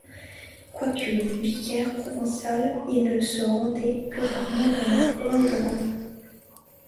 Quoique vicaire provincial, il ne se rendait que rarement dans la province de Rome.